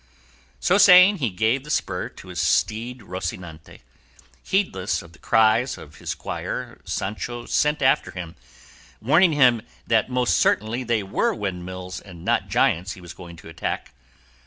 So saying, he gave the spur to his steed Rocinante, heedless of the cries his squire Sancho sent after him, warning him that most certainly they were windmills and not giants he was going to attack.